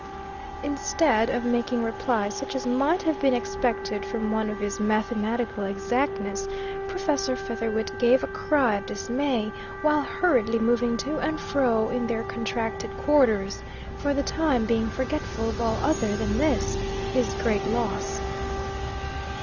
Instead of making reply such as might have been expected from one of his mathematical exactness, Professor Featherwit gave a cry of dismay, while hurriedly moving to and fro in their contracted quarters, for the time being forgetful of all other than this, his great loss.